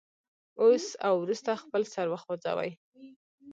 اوس او وروسته خپل سر وخوځوئ.